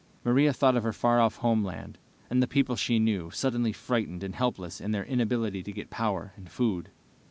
Maria thought of her far off homeland, and the people she knew, suddenly frightened and helpless in their inability to get power and food.